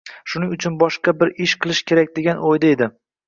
shuning uchun boshqa bir ish qilish kerak degan o'yda edi.